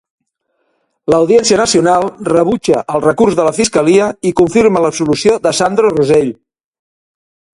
L'Audiència Nacional rebutja el recurs de la fiscalia i confirma l'absolució de Sandro Rosell.